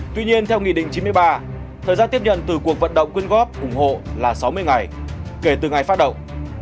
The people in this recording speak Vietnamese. tuy nhiên theo nghị định chín mươi ba thời gian tiếp nhận từ cuộc vận động quyên góp ủng hộ là sáu mươi ngày kể từ ngày phát động